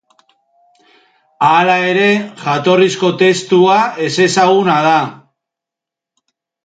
Hala ere, jatorrizko testua ezezaguna da.